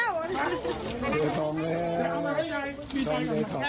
ให้ยายดีใจเดี๋ยวหล่นแล้วหล่นแล้ว